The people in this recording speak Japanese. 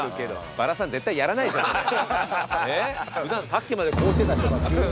さっきまでこうしてた人が急に。